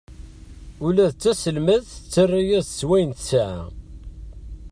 Ula d taselmadt tettara-yas-d s wayen tesɛa.